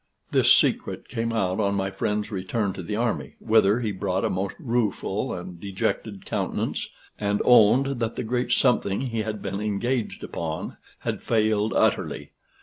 This secret came out on my friend's return to the army, whither he brought a most rueful and dejected countenance, and owned that the great something he had been engaged upon had failed utterly.